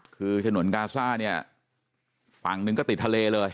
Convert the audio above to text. คือถนนกาซ่าเนี่ยฝั่งหนึ่งก็ติดทะเลเลย